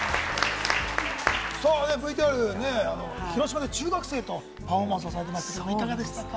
ＶＴＲ、広島で中学生とパフォーマンスされてましたけれども、いかがでしたか？